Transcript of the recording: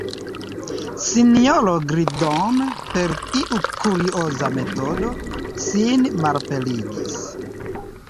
Sinjoro Gliddon, per iu kurioza metodo, sin malaperigis.